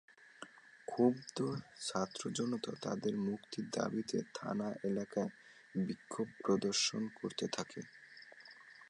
ক্ষুব্ধ ছাত্রজনতা তাঁদের মুক্তির দাবিতে থানা এলাকায় বিক্ষোভ প্রদর্শন করতে থাকে।